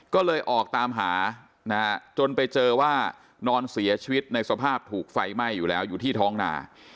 ก็เลยออกตามหานะฮะจนไปเจอว่านอนเสียชีวิตในสภาพถูกไฟไหม้อยู่แล้วอยู่ที่ท้องหนา